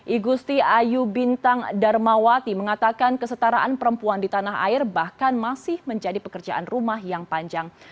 igusti ayu bintang darmawati mengatakan kesetaraan perempuan di tanah air bahkan masih menjadi pekerjaan rumah yang panjang